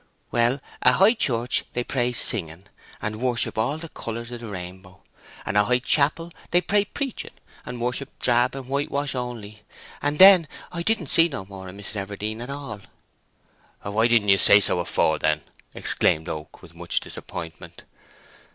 "Well, at High Church they pray singing, and worship all the colours of the rainbow; and at High Chapel they pray preaching, and worship drab and whitewash only. And then—I didn't see no more of Miss Everdene at all." "Why didn't you say so afore, then?" exclaimed Oak, with much disappointment.